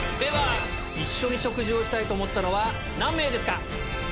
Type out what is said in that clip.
一緒に食事をしたいと思ったのは何名ですか？